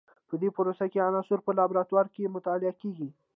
په دې پروسه کې عناصر په لابراتوار کې مطالعه کیږي.